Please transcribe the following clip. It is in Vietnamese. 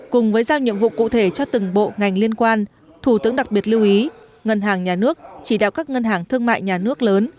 cùng với giao nhiệm vụ cụ thể cho từng bộ ngành liên quan thủ tướng đặc biệt lưu ý ngân hàng nhà nước chỉ đạo các ngân hàng thương mại nhà nước lớn